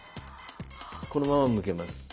このまま向けます。